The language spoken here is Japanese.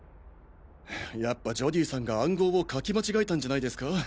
やっぱジョディさんが暗号を書き間違えたんじゃないですか？